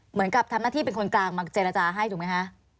เหมือนกับทำหน้าที่เป็นคนกลางมาเจรจาให้ถูกไหมคะ